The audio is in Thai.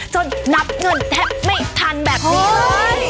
จนนับเงินแทบไม่ทันแบบนี้